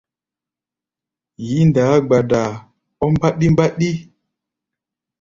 Yí-ndaá gbadaa ɔ́ mbaɗi-mbaɗi.